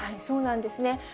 そうなんですね。